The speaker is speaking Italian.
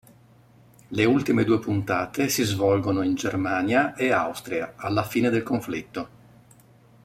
Le ultime due puntate si svolgono in Germania e Austria, alla fine del conflitto.